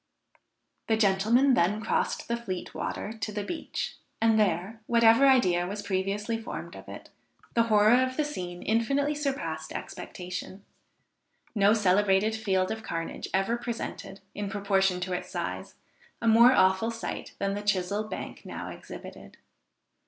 The gentlemen then crossed the Fleet water to the beach, and there, whatever idea was previously formed of it, the horror of the scene infinitely surpassed expectation; no celebrated field of carnage ever presented, in proportion to its size, a more awful sight than the Chisell Bank now exhibited.